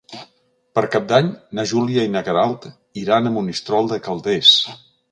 Per Cap d'Any na Júlia i na Queralt iran a Monistrol de Calders.